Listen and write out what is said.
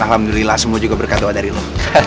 alhamdulillah semua juga berkat doa dari allah